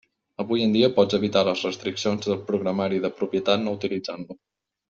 Avui en dia pots evitar les restriccions del programari de propietat no utilitzant-lo.